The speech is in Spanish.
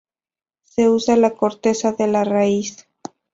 Se usa la corteza de la raíz.